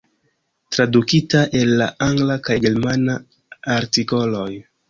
Tradukita el la angla kaj germana artikoloj.